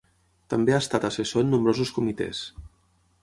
També ha estat assessor en nombrosos comitès.